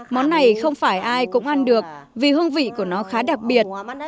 món này không phải ai cũng ăn được vì hương vị của nó khá đặc biệt